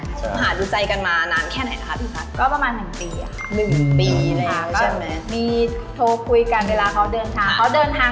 คุณผ่านรู้ใจกันมานานแค่ไหนนะคะพี่ฟัน